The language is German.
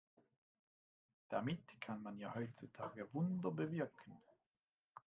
Damit kann man ja heutzutage Wunder bewirken.